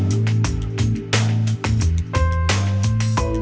ชื่อฟอยแต่ไม่ใช่แฟง